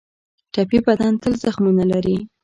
ټپي بدن تل زخمونه لري.